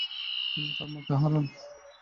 তিনি তার মাকে হারান।